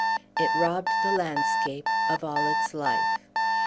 It robbed the landscape of all its life.